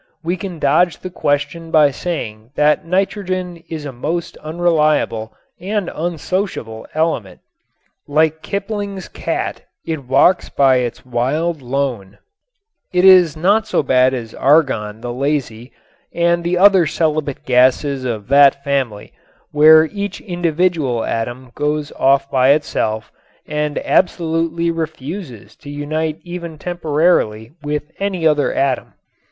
We can dodge the question by saying that nitrogen is a most unreliable and unsociable element. Like Kipling's cat it walks by its wild lone. It is not so bad as Argon the Lazy and the other celibate gases of that family, where each individual atom goes off by itself and absolutely refuses to unite even temporarily with any other atom.